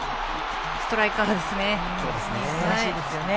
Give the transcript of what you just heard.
ストライカーですよね。